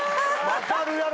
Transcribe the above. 「分かるやろ？」